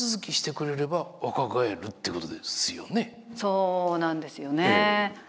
そうなんですよね。